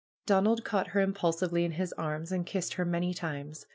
Donald caught her impulsively in his arms and kissed her many times.